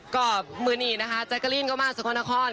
ก็มีนี่นะคะแจ๊กเกอรีนก็มาที่สกลนคร